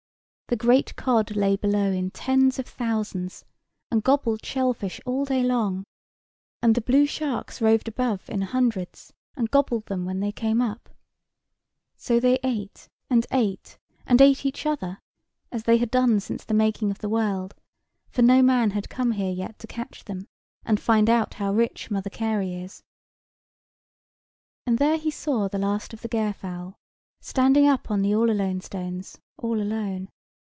The great cod lay below in tens of thousands, and gobbled shell fish all day long; and the blue sharks roved above in hundreds, and gobbled them when they came up. So they ate, and ate, and ate each other, as they had done since the making of the world; for no man had come here yet to catch them, and find out how rich old Mother Carey is. [Picture: The Gairfowl] And there he saw the last of the Gairfowl, standing up on the Allalonestones all alone.